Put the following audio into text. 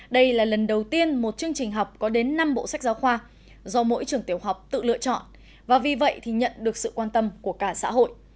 đây là lần đầu tiên một chương trình học có đến năm bộ sách giáo khoa do mỗi trường tiểu học tự lựa chọn và vì vậy thì nhận được sự quan tâm của cả xã hội